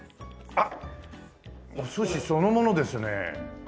あっお寿司そのものですね。